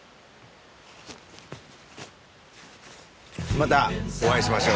またお会いしましょう。